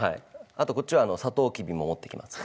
あとこっちはサトウキビも持ってます。